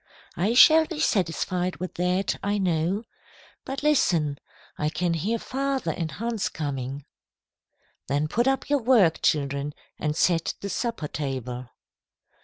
"I shall be satisfied with that, I know. But listen! I can hear father and Hans coming." "Then put up your work, children, and set the supper table."